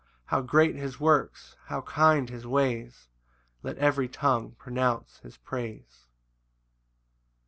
How great his works! how kind his ways! Let every tongue pronounce his praise.